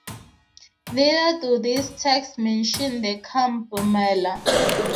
Neither do these texts mention the Kumbh Mela.